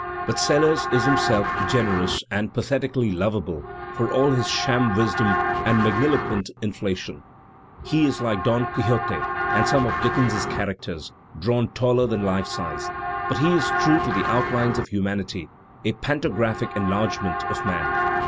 But Sellers IS himself, generous and pathetically lovable, for all his Digitized by Google 858 THE SPmiT OP AMERICAN LITERATUIIE sham wisdom and magniloquent inflation. He is, like Don Quixote and some of Dickens's characters, drawn taller than Ufe size, but he is true to the outlines of humanity, a pantographic enlargement of man.